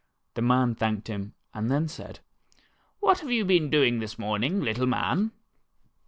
The man thanked him, and then said : "What have you been doing this morning, little man?"